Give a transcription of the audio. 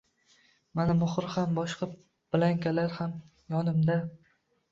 Mana muhr ham, boshqa blankalar ham yonimda